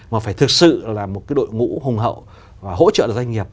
mà phải thực sự là một cái đội ngũ hùng hậu và hỗ trợ được doanh nghiệp